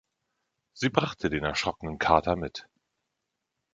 Sie brachte den erschrockenen Carter mit.